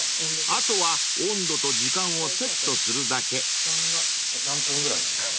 ［あとは温度と時間をセットするだけ］何分ぐらいなんですか？